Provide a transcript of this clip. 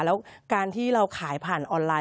แล้วการที่เราขายผ่านออนไลน